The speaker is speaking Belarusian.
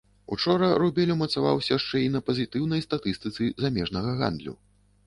Учора рубель умацаваўся шчэ й на пазітыўнай статыстыцы замежнага гандлю.